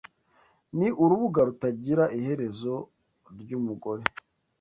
Ni urubuga rutagira iherezo rwumugore